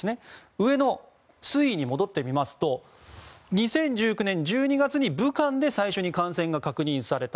上の推移に戻ってみますと２０１９年１２月に武漢で最初の感染が確認された。